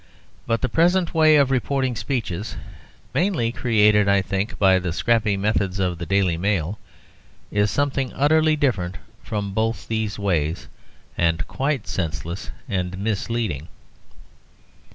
But the present way of reporting speeches (mainly created, I think, by the scrappy methods of the Daily Mail) is something utterly different from both these ways, and quite senseless and misleading.